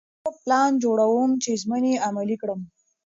زه پلان جوړوم چې ژمنې عملي کړم.